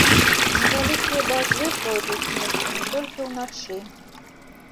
Невялікія дажджы пройдуць месцамі толькі ўначы.